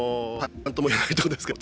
何とも言えないところですけれども。